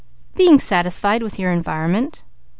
"Being satisfied with your environment."